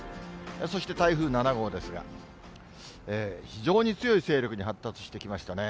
そして台風７号ですが、非常に強い勢力に発達してきましたね。